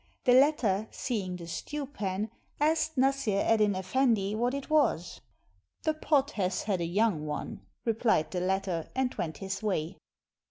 The latter, seeing the stew pan, asked Nassr Eddyn Effendi what it was. 535 ARABIA "The pot has had a young one," replied the latter, and went his way.